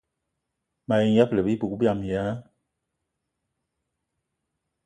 Mayi ṅyëbëla bibug biama ya